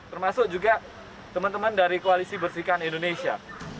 termasuk juga teman teman dari koalisi bersihkan indonesia